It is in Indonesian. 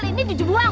ini di buang